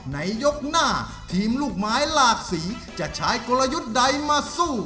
ในยกหน้าทีมลูกไม้หลากสีจะใช้กลยุทธ์ใดมาสู้